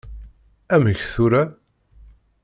Amek tura?